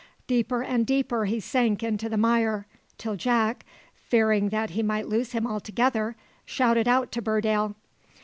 Deeper and deeper he sank into the mire, till Jack, fearing that he might lose him altogether, shouted out to Burdale.